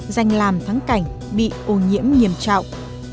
dành làm thắng cảnh bị ô nhiễm nghiêm trọng